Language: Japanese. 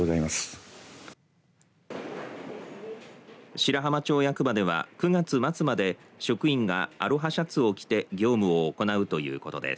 白浜町役場では９月末まで職員がアロハシャツを着て業務を行うということです。